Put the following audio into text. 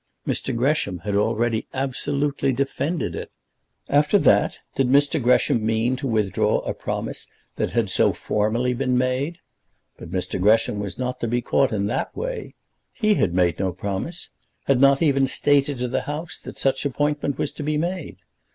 Mr. Gresham had already absolutely defended it. After that did Mr. Gresham mean to withdraw a promise that had so formally been made? But Mr. Gresham was not to be caught in that way. He had made no promise; had not even stated to the House that such appointment was to be made.